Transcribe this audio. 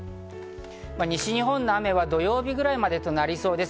西日本の雨は土曜日くらいまでとなりそうです。